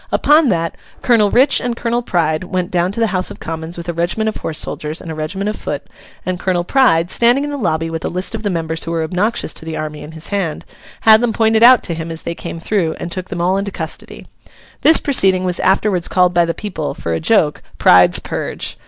Upon that, Colonel Rich and Colonel Pride went down to the House of Commons with a regiment of horse soldiers and a regiment of foot; and Colonel Pride, standing in the lobby with a list of the members who were obnoxious to the army in his hand, had them pointed out to him as they came through, and took them all into custody. This proceeding was afterwards called by the people, for a joke, Pride's Purge.